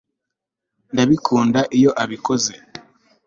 ndabikunda iyo abikoze